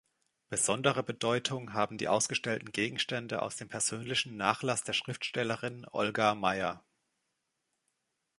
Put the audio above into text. Besondere Bedeutung haben die ausgestellten Gegenstände aus dem persönlichen Nachlass der Schriftstellerin Olga Meyer.